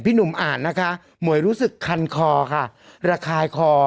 หนุ่มอ่านนะคะหมวยรู้สึกคันคอค่ะระคายคอ